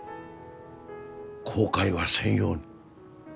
後悔はせんように。